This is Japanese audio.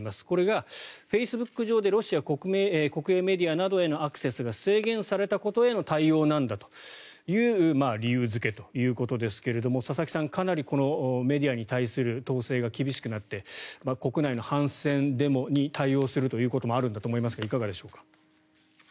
これがフェイスブック上でロシア国営メディアなどへのアクセスが制限されたことへの対応なんだという理由付けということですが佐々木さん、かなりこのメディアに対する統制が厳しくなって、国内の反戦デモに対応するということもあるんだと思いますがいかがでしょうか。